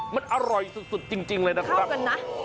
มันอร่อยสุดจริงเลยนะครับข้าวกันนะ